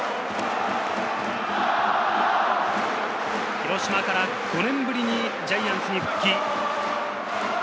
広島から５年ぶりにジャイアンツに復帰。